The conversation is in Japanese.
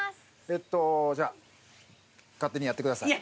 じゃあ勝手にやってください。